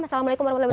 assalamualaikum wr wb